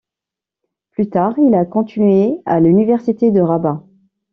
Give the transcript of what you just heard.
Plus tard, il a continué à l'Université de Rabat.